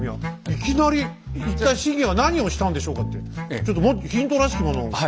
いきなり「一体信玄は何をしたんでしょうか」ってちょっとヒントらしきものを下さいよ。